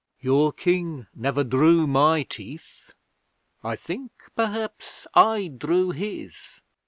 Your King never drew my teeth: I think, perhaps, I drew his.